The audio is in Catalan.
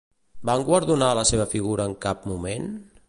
Van guardonar la seva figura en cap moment?